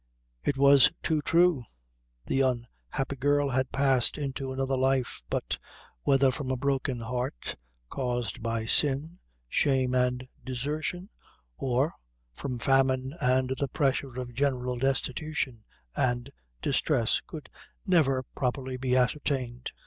It was too true; the unhappy girl had passed into another life; but, whether from a broken heart, caused by sin, shame, and desertion, or from famine and the pressure of general destitution and distress, could never properly be ascertained.